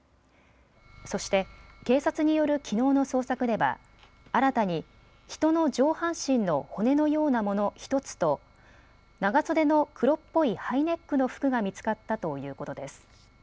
そして警察によるきのうの捜索では新たに人の上半身の骨のようなもの１つと、長袖の黒っぽいハイネックの服が見つかったということです。